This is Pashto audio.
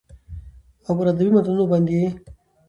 او پر ادبي متونو باندې يې